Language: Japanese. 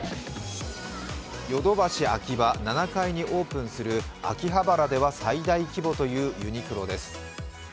ヨドバシＡｋｉｂａ７階にオープンするという秋葉原では最大規模というユニクロです。